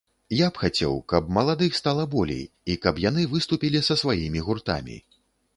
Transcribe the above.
Я б хацеў, каб маладых стала болей, і каб яны выступілі са сваімі гуртамі.